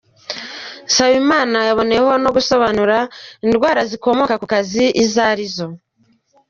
Nsabima yaboneyeho no gusobanura indwara zikomoka ku kazi izo arizo.